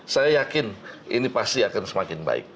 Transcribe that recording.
saya yakin ini pasti akan semakin baik